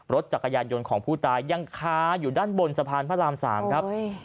รถจักรยานยนต์ของผู้ตายยังค้าอยู่ด้านบนสะพานพระราม๓ครับ